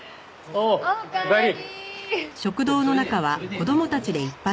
おかえり。